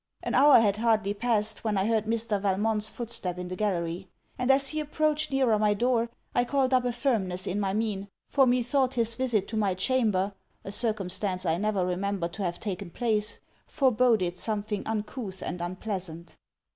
An hour had hardly passed, when I heard Mr. Valmont's footstep in the gallery; and as he approached nearer my door, I called up a firmness in my mien: for methought his visit to my chamber (a circumstance I never remembered to have taken place) foreboded something uncouth and unpleasant.